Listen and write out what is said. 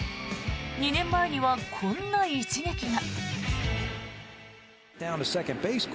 ２年前にはこんな一撃が。